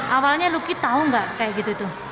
awalnya luki tahu nggak kayak gitu tuh